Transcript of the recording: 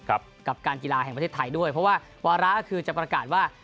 กับการกีฬาแห่งประเทศไทยด้วยเพราะว่าวาระก็คือจะประกาศว่า